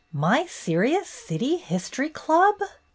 My serious City History Club